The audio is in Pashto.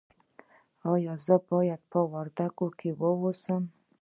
ایا زه باید په وردګو کې اوسم؟